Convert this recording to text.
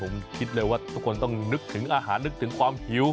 ผมคิดเลยว่าทุกคนต้องนึกถึงอาหารนึกถึงความหิว